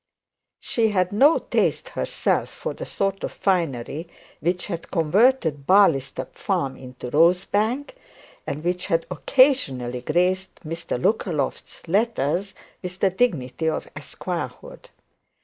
She had not taste herself for the sort of finery which converted Barleystubb farm into Rosebank, and which had occasionally graced Mr Lookaloft's letters with the dignity of esquirehood.